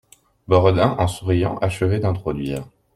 Boredain, en souriant, achevait d'introduire.